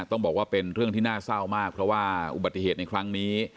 ต้องบอกว่าเป็นเรื่องที่น่าเศร้ามากเพราะว่าอุบัติเหตุในครั้งนี้